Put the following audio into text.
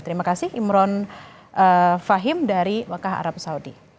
terima kasih imron fahim dari mekah arab saudi